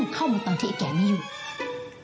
เมื่อไปจากที่ไอ้แก่ไม่อยู่